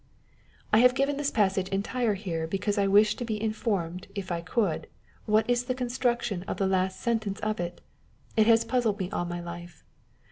I have given this passage entire here, because I wish to be informed, if I could, what is the construction of the last sentence of it. It has puzzled me all my life.